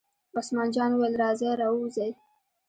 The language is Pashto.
عثمان جان وویل: راځئ را ووځئ.